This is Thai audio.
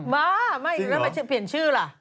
ว้าวไม่แล้วมันเปลี่ยนชื่อล่ะ